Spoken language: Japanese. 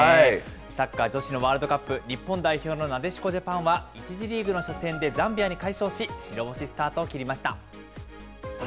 サッカー女子のワールドカップ、日本代表のなでしこジャパンは１次リーグの初戦でザンビアに快勝し、白星スタートを切りました。